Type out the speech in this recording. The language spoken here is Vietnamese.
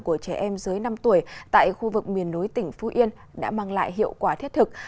của trẻ em dưới năm tuổi tại khu vực miền núi tỉnh phú yên đã mang lại hiệu quả thiết thực